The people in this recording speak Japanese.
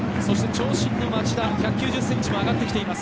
長身の町田、１９０ｃｍも上がってきています。